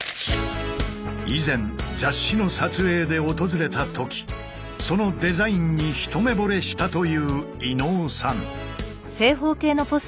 以前雑誌の撮影で訪れたときそのデザインに一目ぼれしたという伊野尾さん。